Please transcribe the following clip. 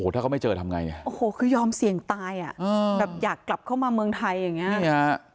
ถ้าเขาไม่เจอทำไงคือยอมเสี่ยงตายอยากกลับเข้ามาเมืองไทย